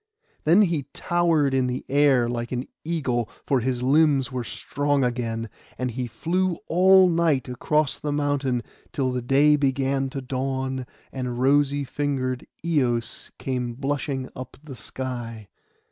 Then he towered in the air like an eagle, for his limbs were strong again; and he flew all night across the mountain till the day began to dawn, and rosy fingered Eos came blushing up the sky.